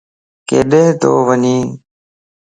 ڪيڏي تو وڃي؟